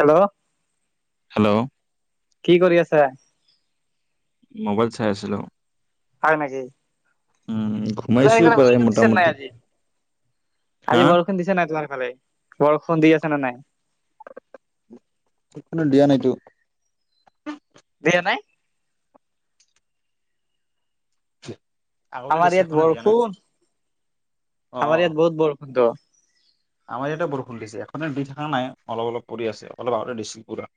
Hello hello কি কৰি আছা? মোবাইল চাই আছিলো। হয় নেকি? উম তোমাৰ ঘুমাইছো এই প্ৰায় বৰষুণ দিছে নাই মোটামুটি আজি হা আজি বৰষুণ দিছে নাই তোমাৰ। ভাল বৰষুণ দি আছে না নাই? দিয়া নাইতো। দিয়া নাই উ [unintelligible] আমাৰ ইয়াত বৰষুণ অ অ আমাৰ ইয়াত বহুত বৰষুণটো। আমাৰ ইয়াতে বৰষুণ দিছে এখনে দি থকা নাই অলপ অলপ পৰি আছে অলপ আগতে দিছিল পুৰা।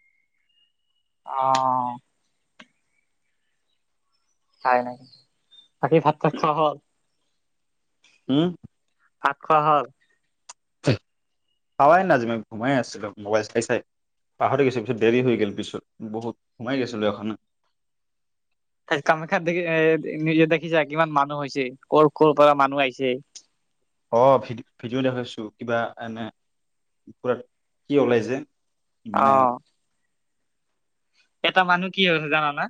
আহ। খাই নাই বাকী ভাত খাত খোৱাা হল। উম। আত খোৱা হওঁক। হাৱাই নজি ম ঘুমাই আছিলো মোবাইল চাই চাই। পাহৰি গৈছিল পিছত দেৰি হৈ গ' পিছত বহুত সোমাই গৈছিলো এখন। [inaudible] তাৰছত কামাখ্যা দেখি এ নিজে দেখিছা কিমান মানুহ হৈছে ক'ৰ ক'ৰ পৰা মানুহ আহিছে। [inaudible] অ ভি ভিডিঅ' দেখুৱাইছো কিবা এনেকুৰাত কি ওলাই যে মানে আহ। এটা মানুহ কি হৈছে জানানা?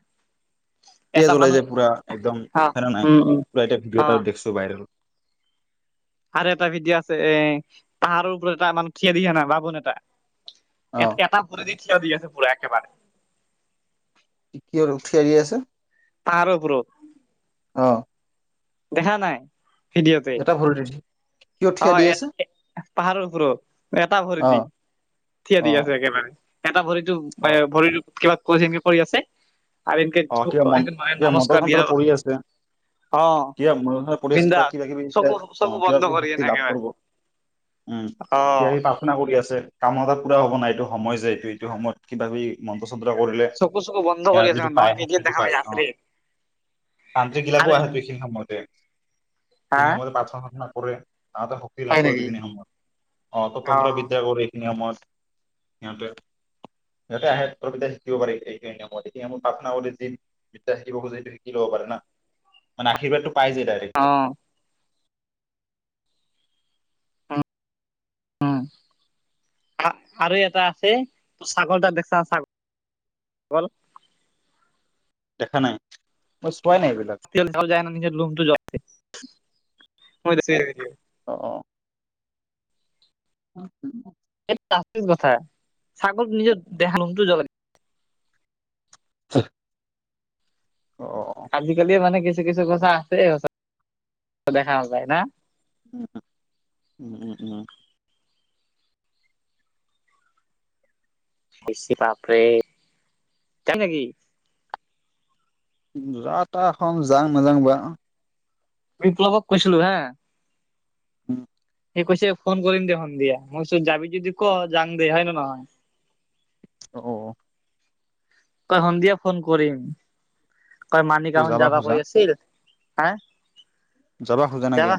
এটা তেজ ওলাই মানুহ যে পুৰা একদম অ সেৰা নাই উম উম পুৰা এতিয়া ভিডিঅ' অ এটা দেখছো ভাইৰেল। আৰু এটা ভিডিঅ' আছে এ পাহাৰৰ ওপৰত এটা মানে থিয় দিছো ন বাবোন এটা অ এ - এটা প দি থিয় দিয় আছে পুৰা একেবাৰে কিহ উঠি আহৰি আছে। পাহাৰৰ ওপৰত। অ', দেখা নাই। ভিডিঅ'তে এটা ভুল দিছ। অ, এ পাহাৰৰ ঘো এটা ভৰি দি অ', থিয়া দি আছে অ'। একেবাৰে এটা ভৰিতটো অ', ভৰি কিবানেক কৰি আছে। আৰু এনকে অ, কিবা মন কিবা নমস্কাৰ দিয়া মটৰখনৰে পৰি আছে। অ কিবা ম পৰিশ কিবা বিন্দাছ কিবি চকু চকু কিবা বন্ধ কৰি শক্তি লাভ একেবাৰে কৰিব। উম অ সয়ি প্ৰাৰ্থনা কৰি আছে কামত পুৰা হ'ব নাই এইটো সময় যোয় এইটো- এইটো সময়ত কিবা কি ম চকু - চকু বন্ধ কৰি আছে ম পায় তমাক কি শক্তিটো দেখা পায় প অ', আছ তান্ত্ৰিক বিলাকো আহো এইখিনি সময়তে হা সখিনি সময়তে পাচ ঘ কৰে ততে শক্তি লাভ হয় কৰে নেকি যিখিনি সময়ত অ, ততন্ত্ৰ বিদ্যা কৰে এইখিনি সময়ত সিহতে - সিহতে আহে শিকিব পাৰিত এতিয়া। পাপনা বুলি যি বিদ্যা শিকিব খোজে এইেইটো শিকি ল'ব পাৰে না মানে আশীৰ্বাদটো পাইজে অ ডাইৰেকট উম, আৰু এটা আছে ছাগল তটা দেখছা ছাগল হল দেখা নাই ব তেতি য যায় ন নিজৰ লুমটো জ [unintelligible] অ - অ। অ', এই আ কথা চাকল নিজৰ দেহা মনটো জ্ব [unintelligible] অ আজিকালি মানে কিছু - কিছু কথা আছে দেখা যায় না। উ, উম- উম- উম। বি পাপৰে যাম নেকি। য তা এখন যাং নাযাং বা বিপ্লৱক কৈছিলো হা। অ স কৈছে ফোন কৰিম দেিয় সন্ধিয়া মইচ যাবি যদি ক যাং দে হয় ন নহয় অ', তই সন্ধিয়া ফোন কৰিম তই তুমি মানিকাখন যাবা খোজা কৈ আছিল। হা। যাবা খোজা ননাকি। যাবা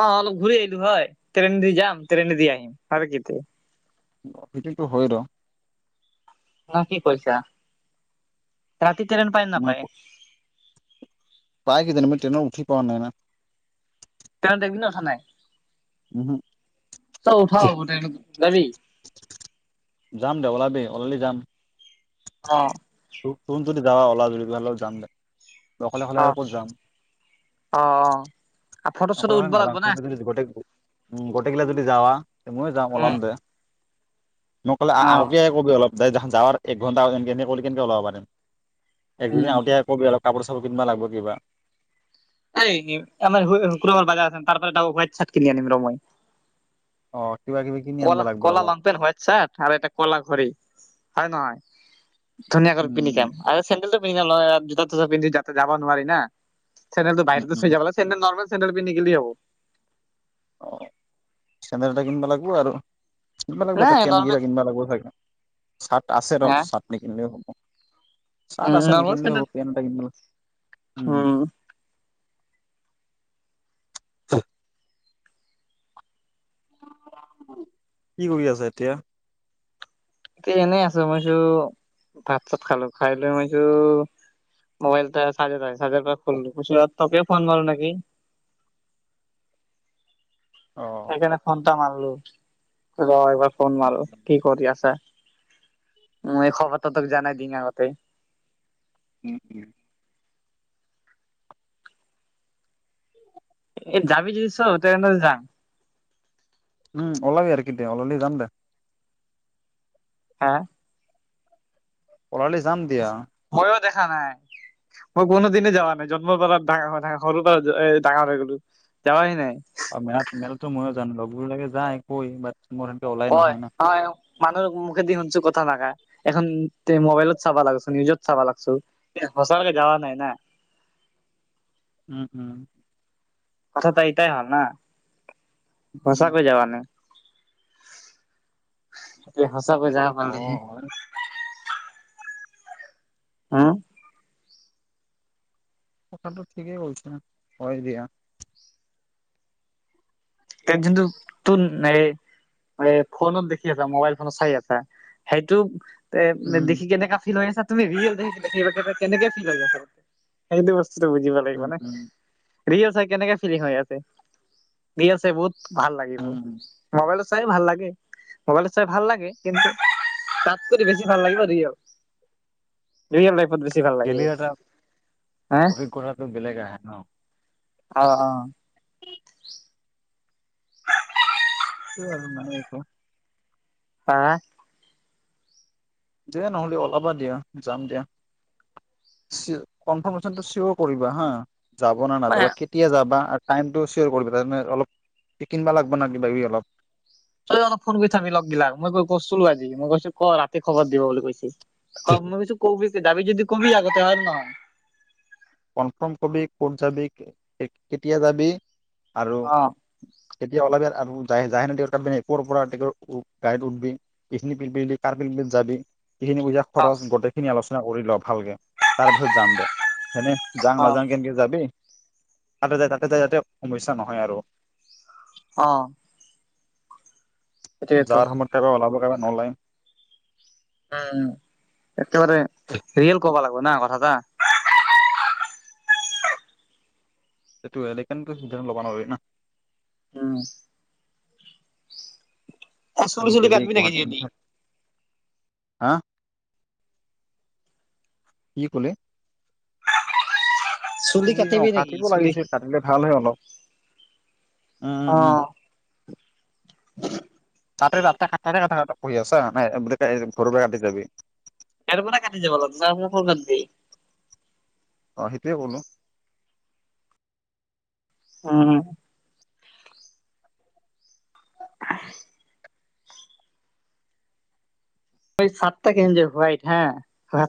অ, অলপ ঘূৰি আহিলো হয় ট্ৰেইনেদি যাম ট্ৰেইনেদি আহিম আৰু কি ভিটোটো হৈ ৰ ন কি কৈছা ৰাতি তেৰেন পায়ম মই নাপায় পাই কিেইতি ন মি ট্ৰেইনত উঠি পাৱ নাই ন। তেওতে বি নথা নাই। উমহ, চব উঠও গট যাবি যাম দে ওলাবি ওলালি যাম অ তদি যা অওলাজুল হালও যাম দে দকলেি খালে অ আৰু ক'ত যাম। অ অ ফটো চটো উঠব লাগব নাজান না য গো উম, গোটেইকিলা যদি যাৱা ময়ো যাম উম ওলাম দে মই ক'লে অ আগে কবি অলপ যাৱাৰ এক ঘণ্টালে কেনেকে ওলাব পাৰিম। এক উম দুদিন আগতিয়াই কবি আৰু কাপোৰ চাপোৰ কিনবা লাগিব কিবা। এই শুকবাৰ বাজাৰ আছে তাৰ পৰা এটা হোৱাইট চাৰ্ট কিনি আনিম ৰ ময় অ কিবা কিবি কিনি আনিব কলা - লাগব কলা অলপ। লং পেণ্ট হোৱাইট চাৰ্ট আৰু এটা কলা ঘড়ী হয় নহয়। ধুনীয়াকৈ পিন্ধি উম যাম আৰু চেণ্ডেলটো পিন্ধি আৰু জোতা তোতা পিন্ধি যাতে যাব নোৱাৰি না। চেণ্ডেলটো উম বাহিৰতে উম থৈ যাব লাগে, চেণ্ডেল নৰ্মেল চেণ্ডেল পিন্ধি গেলিয়ে হব। অ', চেণ্ডেল এটা কিনবা লাগব আৰু। কিনিবা লাগিব এতিয়া নাই পেন কিবা নৰ্মেল কিনিবা লাগিব চাগে, চাট আছে ন হা চাৰ্ট নিকিনিলেও হ'ব। চাট উম আছে নৰ্মেল নিকিনিলেও চেন্দেল হ'ব পেন এটা কিনিব, উম। [inaudible] কি কৰি আছা এতিয়া। এ এনেই আছো মই ভাবিছো ভাত চাত খালো, খাই লৈ মইভাবিছো মোবাইলটা চাৰ্জত আছিল চাৰ্জৰ পৰা খুলিলো, [unintelligible] তোকে ফোন মাৰো নেকি। [inaudible] অ সেইকাৰণে ফোনটা মাৰলো ৰ এইবাৰ ফোন মাৰো কি কৰি আছা। উম, এই খবৰটো তোক জানাই দিং আগতে। উম - উম। এই যাবি যদি চ [unintelligible] যাম। উম, ওলাবি আৰু কেতিয়া ওলালি যাম দে। হা অলালি যাম দিয়া। মইও দেখা নাই। মই কোনোদিনে যাৱা নাই জন্মৰ পৰা ডাঙৰ হয়লো সৰুৰ পৰা ডাঙৰ হৈ গ'লো যাৱায় নাই। [unintelligible] বিলাকে যায় কয় মোৰ সেনকে ওলাই কয় নহয় না। হয় মানুহৰ মুখে দি শুনছো কথা নাকা এখন মোবাইলত চাবা লাগিছ নিউজত চাবা লাগিছো। [unintelligible] যাবা নাই না। উম, হম। কথাটো এইটাই হ'ল না উম সঁচাকৈ যাৱা নাই। এতিয়া সঁচাকৈ কথাটোতো যাব পাৰলেহে। হয় হম কথাটো ঠিকেই কৈছা হয় দিয়া। তেক জোনটো তোৰ নে এ ফোনত দেখি আছা মোবাইল ফোনত চাই আছা সেইটো তে উম, দেখি কেনেকা ফিল হৈ আছে তুমি ৰিয়েল দে কেনেকে ফিল হৈ আছা সেইখিনি বচ বুজিব লাগিব উম, না উম, ৰিয়েল চাই কেনেকে ফিলিং হয় ইয়াতে। দি আছে বহুত ভাল লাগিব। উম, মোবাইল চাই ভাল লাগে -মোবাইল চাই ভাল লাগে কিন্তু তাত কৰি বেছি ভাল লাগিব ৰিয়েল ৰিয়েল লাইফত বেছি ভাল লাগিব গেলি এটা হা অভিজ্ঞতাটো বেলেগ আহে ন। অ'-অ'। সেইটোৱে আৰু মানে এটো। হা। দে নহ'লে ওলাবা দিয়া যাম দিয়া। কনফাৰ্মেচনটো চিয়ৰ কৰিবা হা যাব না নাযাবা কেতিয়া যাবা। টাইমটো চিয়োৰ কৰিবি তাৰ মানে অলপ কিনবা লাগিব ন কিবি অলপ। তই অলপ ফোন কৰি থাকবি লগগিলাক মই ক কৈছিলো আজি মই কৈছো ক ৰাতি খবৰ দিব বুলি কৈছে। ক মই কৈকবি যাবি যদি কবি আগতে হয়নে নহয়। কনফাৰ্ম কবি ক'ত যাবি কেতিয়া যাবি আৰু অ এতিয়া অলপ [unintelligible] যাবি সেইখিনি পইচা অ খৰচ গোটেই খিনি আলোচনা কৰি ল ভালকে তাৰ পিছত যাম দে। সেনে যাওঁ অ নাযাওঁ কেনকে যাবি। তাতে য তাতে ত যাতে সমস্যা নহয় আৰু অ সেইটোৱেতো যাৰ সময়ত কাৰবাৰে ওলাব কাৰবাৰে নলাইম উম একেবাৰে ৰিয়েল কবা লাগিব না কথা এটা সেইটোকো লব হয় ন অ চল কাৰণ চুলি গেলি কাটবি নেকি জিলি গুৱাহাটী হা কি ক'লে চুলি তুলি অ কাটিবি নেকি কাটিব চুলি লাগিছে কাটিলে ভাল হয় অলপ উম অ উম উম তাতে ৰাতে কাটাই থ কথা পঢ়ি আছা নাই বুলি ঘৰ পৰা কাটি যাবি ত পৰা কাটি যাবা চ ফোন ক দি অ সেইটোৱে ক'লো অ আহ হয় চাটটা কেন যে হোৱাইট হা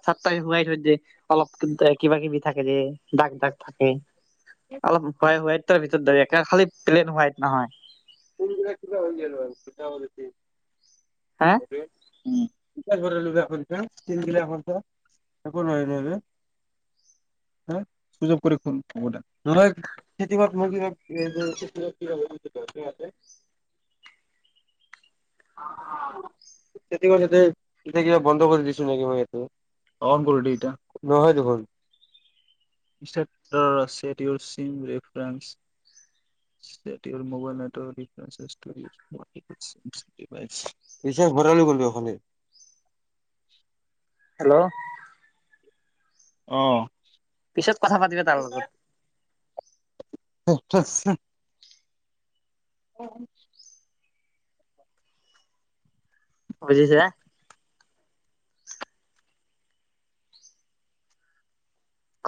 চাটটটা হোৱাইট হয় যে অলপ কিবা কিবি থাকে দাগ দাগ থাকে অলপ হোৱাই হোৱাইট তাৰ ভিতৰত দ খালি প্লেন হোৱাইট নহয় কোন কিিবা হৈ গ আৰু হা ল এ চিন দিল এ ত এ হয় ন [unintelligible] হা সুযোগ কৰি খুন হ'ব দো নহয় খেতিপথ মই ক [unintelligible] তেটো এতিয়া কিবা বন্ধ কৰি দিছো নেকি মই এইটো কন কৰি দে ইটা হয় দেখ ইেক্টৰ আছেড ইউল চিম ৰেফাৰেন্স মবাইল ন ঘৰালি কৰিব অখাল [unintelligible] হ আহ পিছত কথা পাতিবা তাৰ লগত আচছা আছা অ বুজিছ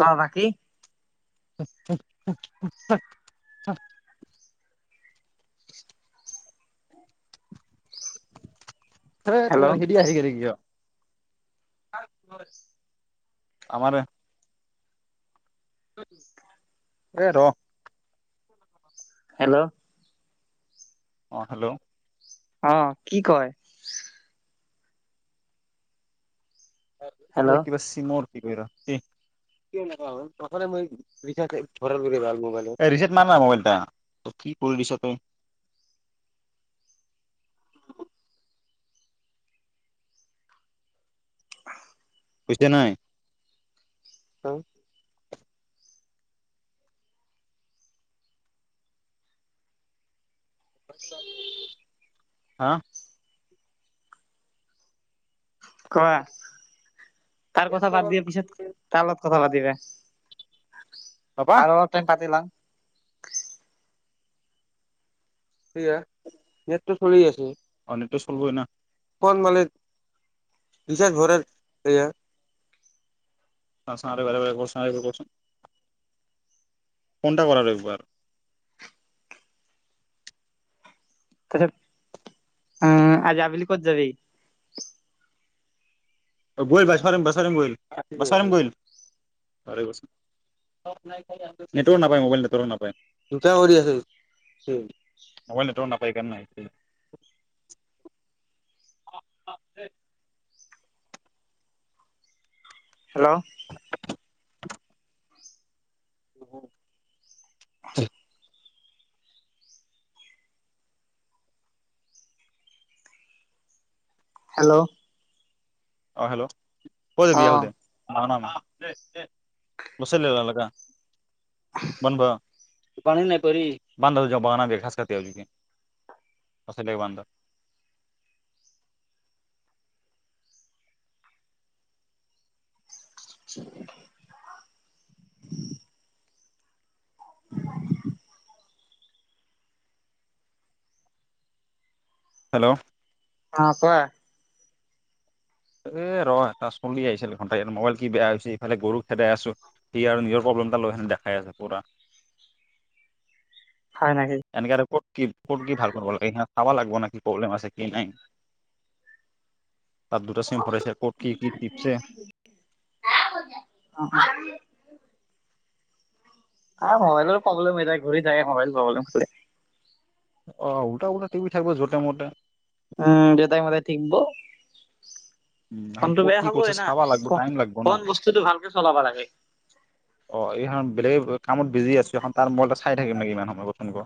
কৰা ন কিি [unintelligible] স ত হেল্ল' হিডয় হেগিয় আমাৰ হ ৰ হেল্ল' অ হেল্ল' অ কি কয় এই হেল্ল' কিবা চি মৰ্ত কৰি ্ ভ মলৰিচাৰ্ ম নাই মবাইল কি কৰি দিছ তই [unintelligible] বুজছে নাই হা কোৱা তাৰ কথা বাদ দিয়া পিছত তাৰ লগত কথা পাতিিবা পাপা আৰু অলপ টাইম পাতিলাম সেয়া নেটটো চলি আছে অ' নেটটো চলবই না অকল মানে বিচাৰ ভৰ এয়া [unintelligible] ফোনটা কৰাৰ একবাৰ তত কহ আজি আবেলি ক'ত যাবি [unintelligible] নেটৱৰ্ক নাপায় মোবাইল নেটৱৰ্ক নাপায় অ'। মোবাইল নেটখ নাপায় কাৰণে [unintelligible] হেল্ল' [unintelligible] [inaudible] হেল্ল' অ' হেল্ল' ক যাবি অ [unintelligible] [unintelligible] পান নাই কৰি বান্ধ দ য বাগান বি খ কতি পিছলৈ বন্ধ। [unintelligible] ঠিক [unintelligible] [inaudible] [inaudible] হেল্ল' অ কোৱা এ ৰহ তটা চলি আহিছিল ঘন্টা মোবাইল কি বেয়া হৈছে ইফালে গৰু খেদাই আছো সি আৰু নিজৰ প্ৰব্ ফোন এটা লৈ আহছোন যা দেখাই আছে পুৰা। হয় নকি এনেকে আৰু ক'ত কি ক'ত কি ভাল কৰিব লাগে স চাবা লাগবিব ন কি প্ৰব্লেম আছে কি নাই [inaudible] তাত দুটা চিম ভৰাইছে ক'ত কি কি টিপছে [inaudible] মোবাইলৰো প্ৰব্লেম হৈ যায় ঘূৰি যায়ে মবাইল প্ৰব্লেম অ উলটা উলটা টপ থাকিব যতে মতে উম, দেউতাই সদাই [unintelligible] উম ফোনটো ক'ত বেয়া কি কৰিছে হবই না চাবা লাগব টাইম লাগব না কন বস্তুতটো ভালকে চলাবা লাগে অ এইখন বেলেগে কামত বিজি আছো তাৰ মইটা চাই থাকিম নেকি ইমান সময় কথোন ক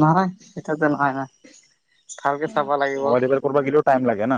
নহয়, [unintelligible] ভালকে চাব লাগিব মোবাইল ৰিপেয়াৰ কৰিব গেলিও টাইম লাগে না